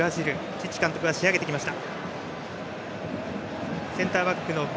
チッチ監督は仕上げてきました。